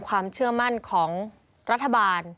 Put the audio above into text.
ความเชื่อมั่นของรัฐบาล